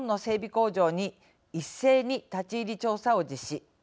工場に一斉に立ち入り調査を実施。